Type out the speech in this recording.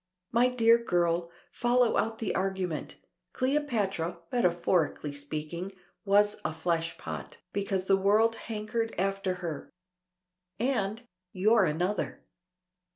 My dear girl, follow out the argument. Cleopatra, metaphorically speaking, was a fleshpot, because the world hankered after her. And you're another."